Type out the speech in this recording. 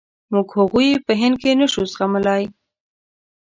موږ هغوی په هند کې نشو زغملای.